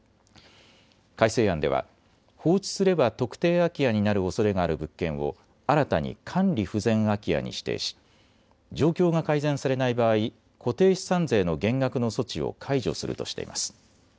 改正案では放置すれば特定空き家になるおそれがある物件を新たに管理不全空き家に指定し状況が改善されない場合固定資産税の減額の措置を解除するとしています。